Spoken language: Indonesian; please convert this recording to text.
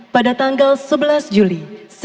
pada tanggal sebelas juli